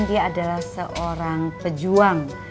dia adalah seorang pejuang